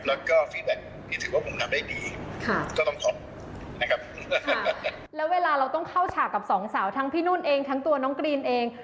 เราต้องเข้าฉากกับสองสาวทั้งพี่นุ่นเองทั้งตัวน้องกรีนเอง